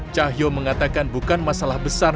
cahyo mengatakan bukan masalah besar